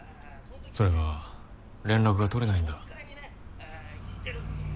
それが連絡が取れないんだ。